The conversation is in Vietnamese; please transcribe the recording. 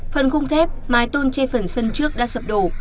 phần khung thép mái tôn chia phần sân trước đã sập đổ